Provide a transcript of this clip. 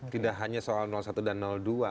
tidak hanya soal satu dan dua